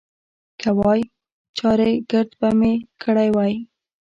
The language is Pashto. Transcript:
که وای، چارېګرد به مې کړی وای.